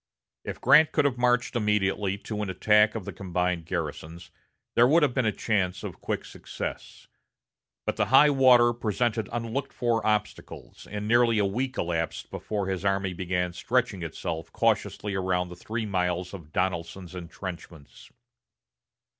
If Grant could have marched immediately to an attack of the combined garrisons, there would have been a chance of quick success. But the high water presented unlooked for obstacles, and nearly a week elapsed before his army began stretching itself cautiously around the three miles of Donelson's intrenchments.